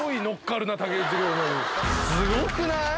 すごくない？